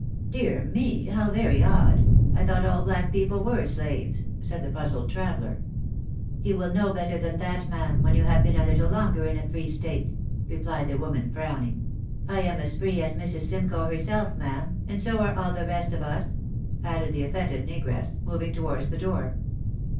" Dear me, how very odd, I thought all black people were slaves ?" said the puzzled traveller. " You will know better than that, ma'am, when you have been a httle longer in a free state," replied the woman, frowning. " I am as free as Mrs. Simcoe herself, ma'am, and so are all the rest of us," added the offended negress, moving towards the door.